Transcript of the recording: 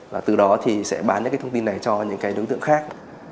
và từ đó thì sẽ bán những cái thông tin này cho những cái đối tượng khác